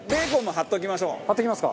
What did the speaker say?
張っておきますか。